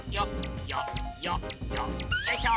よいしょ！